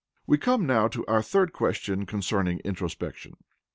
We come now to our third question concerning introspection.